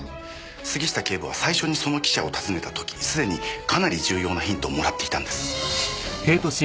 杉下警部は最初にその記者を訪ねた時既にかなり重要なヒントをもらっていたんです。